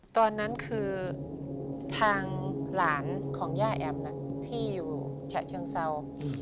ตอนนั้นคือทางหลานของย่าแอมที่อยู่ฉะเชิงเศร้า